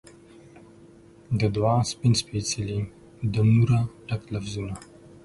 د دعا سپین سپیڅلي د نوره ډک لفظونه